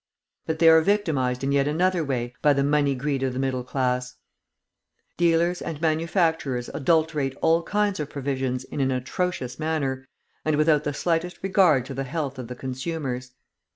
But they are victimised in yet another way by the money greed of the middle class. Dealers and manufacturers adulterate all kinds of provisions in an atrocious manner, and without the slightest regard to the health of the consumers.